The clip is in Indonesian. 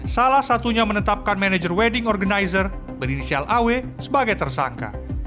salah satunya menetapkan manajer wedding organizer berinisial aw sebagai tersangka